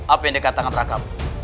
apa yang dikatakan raka